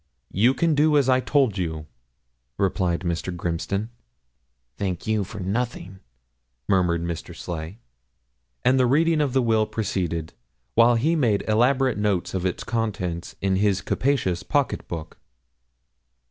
'You can do as I told you,' replied Mr. Grimston. 'Thank you for nothing,' murmured Mr. Sleigh. And the reading of the will proceeded, while he made elaborate notes of its contents in his capacious pocket book.